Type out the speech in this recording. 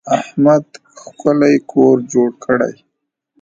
احمد ښکلی کور جوړ کړی.